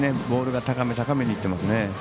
ボールが高めにいってますね。